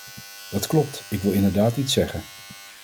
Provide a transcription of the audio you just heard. Dat klopt, ik wil inderdaad iets zeggen.